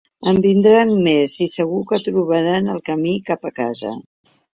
En vindran més, i segur que trobaran el camí cap a casa.